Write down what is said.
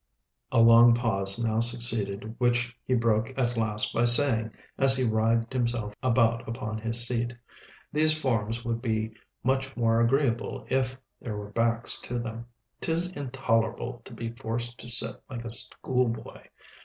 A long pause now succeeded, which he broke at last by saying, as he writhed himself about upon his seat, "These forms would be much more agreeable if there were backs to them. 'Tis intolerable to be forced to sit like a schoolboy.